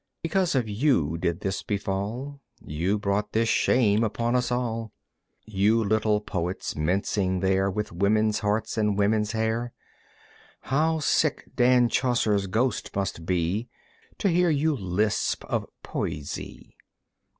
Because of you did this befall, You brought this shame upon us all. You little poets mincing there With women's hearts and women's hair! How sick Dan Chaucer's ghost must be To hear you lisp of "Poesie"!